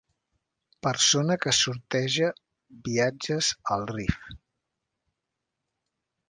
Persona que sorteja viatges al Riff.